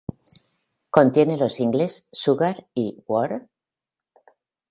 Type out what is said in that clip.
Contiene los singles "Sugar", "War?